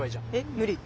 無理。